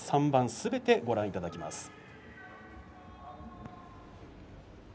３番すべてご覧いただきます。